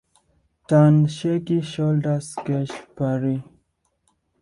Tone; Shaky; Shoulders; Sketch Paree.